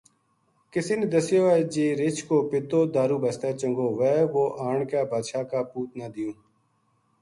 کسے نے دسیو ہے جی رچھ کو پِتو دارو بسطے چنگو ہوئے وہ آن کے بادشاہ کا پوت نا دیوں